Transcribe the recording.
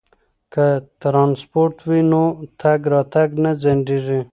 که ترانسپورت وي نو تګ راتګ نه ځنډیږي.